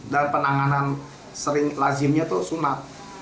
dan penanganan sering lazimnya itu sunat